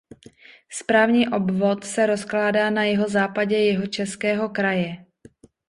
Správní obvod se rozkládá na jihozápadě Jihočeského kraje.